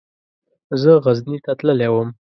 زه غزني ته تللی وم.